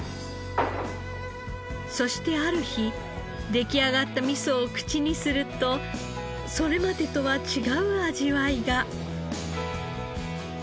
そしてある日出来上がった味噌を口にするとそれまでとは違う味わいが。